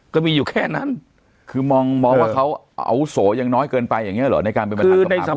ก็มีอยู่แค่นั้นคือมองว่าเขาอาวุโสยังน้อยเกินไปอย่างนี้เหรอในการเป็นประธานสภา